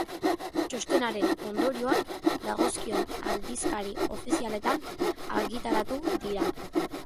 Txostenaren ondorioak dagozkion aldizkari ofizialetan argitaratu dira.